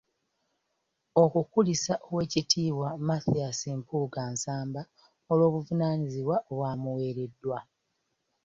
Okukulisa Oweekitibwa Mathias Mpuuga Nsamba olw’obuvunaanyizibwa obwamuweereddwa .